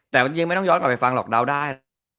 แต่มันยังไม่ต้องย้อนกลับไปฟังหรอกเดาได้